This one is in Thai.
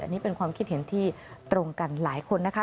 อันนี้เป็นความคิดเห็นที่ตรงกันหลายคนนะคะ